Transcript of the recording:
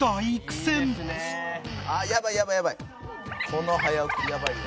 「この早送りやばいよ」